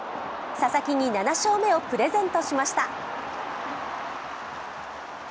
佐々木に７勝目をプレゼントしました。